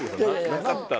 「なかったら」